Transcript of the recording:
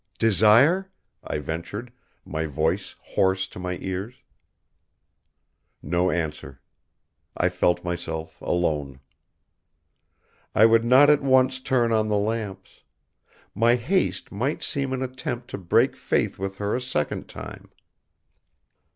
"Desire?" I ventured, my voice hoarse to my ears. No answer. I felt myself alone. I would not at once turn on the lamps. My haste might seem an attempt to break faith with her a second time.